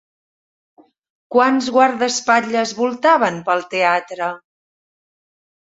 Quants guardaespatlles voltaven pel teatre?